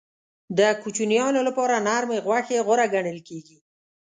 د کوچنیانو لپاره نرمې غوښې غوره ګڼل کېږي.